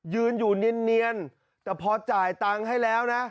ยืนอยู่เนียนแต่พอจ่ายตังค์ให้แล้วนะ